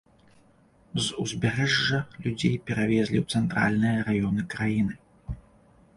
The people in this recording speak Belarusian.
З узбярэжжа людзей перавезлі ў цэнтральныя раёны краіны.